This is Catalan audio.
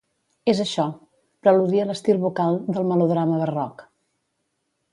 És això, preludia l'estil vocal del melodrama barroc.